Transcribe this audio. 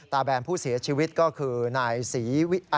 ตาแบนผู้เสียชีวิตก็คือนายสีวิ